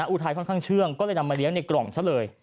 อุทัยค่อนข้างเชื่องก็เลยนำมาเลี้ยงในกล่องซะเลย